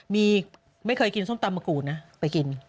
มีไม่เคยกินส้มตำมะกรูดนะไปกิน